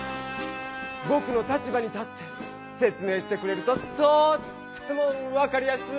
ぼくの立場に立って説明してくれるととっても分かりやすい！